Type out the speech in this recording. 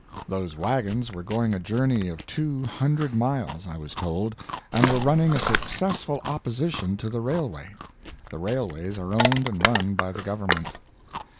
Those wagons were going a journey of two hundred miles, I was told, and were running a successful opposition to the railway! The railways are owned and run by the government.